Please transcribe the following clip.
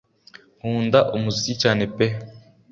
nkunda umuziki cyane pe